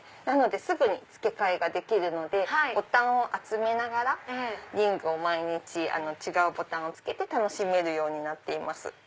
なのですぐに付け替えができるのでボタンを集めながら毎日違うボタンを着けて楽しめるようになっています。